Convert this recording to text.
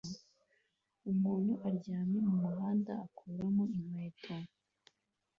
umuntu aryama mumuhanda akuramo inkweto